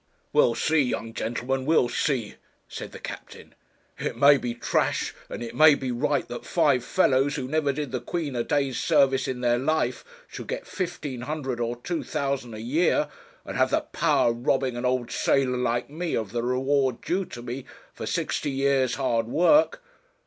'We'll see, young gentleman, we'll see,' said the captain; 'it may be trash, and it may be right that five fellows who never did the Queen a day's service in their life, should get fifteen hundred or two thousand a year, and have the power of robbing an old sailor like me of the reward due to me for sixty years' hard work.